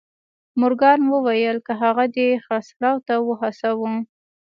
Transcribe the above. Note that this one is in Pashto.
مورګان وويل که هغه دې خرڅلاو ته وهڅاوه.